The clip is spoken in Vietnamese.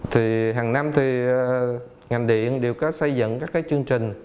thì hàng năm thì ngành điện đều có xây dựng các cái chương trình